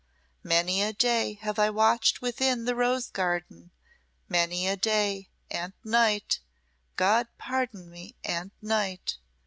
Many a day have I watched within the rose garden many a day and night God pardon me and night.